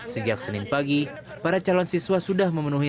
sejak senin pagi para calon siswa sudah memenuhi